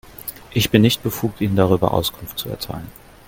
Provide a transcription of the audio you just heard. Ich bin nicht befugt, Ihnen darüber Auskunft zu erteilen.